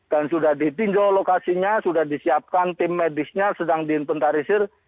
dan sudah ditinjau lokasinya sudah disiapkan tim medisnya sedang diinventarisir